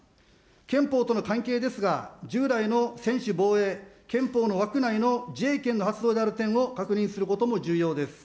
憲法との関係ですが、従来の専守防衛、憲法の枠内の自衛権の発動である点を確認することも重要です。